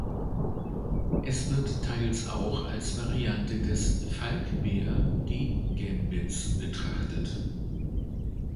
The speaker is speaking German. Es wird teils auch als Variante des Falkbeer-Gegengambits betrachtet.